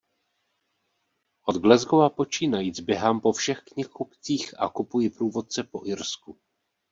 Od Glasgowa počínajíc běhám po všech knihkupcích a kupuji průvodce po Irsku.